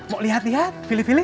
mau lihat lihat